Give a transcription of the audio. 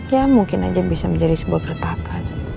ya mungkin aja bisa menjadi sebuah keretakan